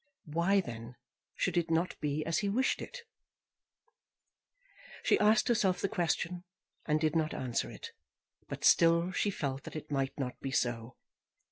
Why, then, should it not be as he wished it? [Illustration: Alice.] She asked herself the question, and did not answer it; but still she felt that it might not be so.